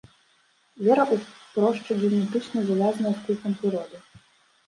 Вера ў прошчы генетычна звязаная з культам прыроды.